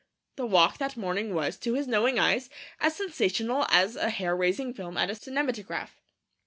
The walk that morning was, to his knowing eyes, as sensational as a hair raising film at a cinematograph.